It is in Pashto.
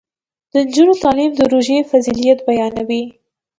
د نجونو تعلیم د روژې فضیلت بیانوي.